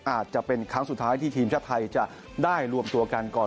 อาจจะเป็นครั้งสุดท้ายที่ทีมชาติไทยจะได้รวมตัวกันก่อน